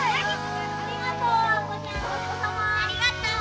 ありがとう！